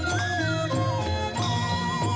โอ้โหโอ้โหโอ้โห